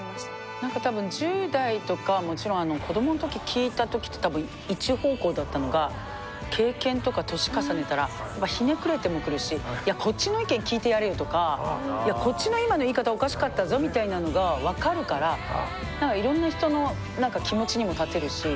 なんか多分１０代とかもちろん子供のとき聞いたときって一方向だったのが経験とか年重ねたらひねくれてもくるし「いやこっちの意見聞いてやれよ」とか「いやこっちの今の言い方おかしかったぞ」みたいなのが分かるからなんかいろんな人の気持ちにも立てるし。